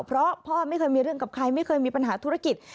เพราะพ่อไม่เคยมีเรื่องกับใครไม่เคยมีปัญหาธุรกิจ